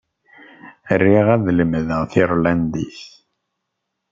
Riɣ ad lemdeɣ tirlandit.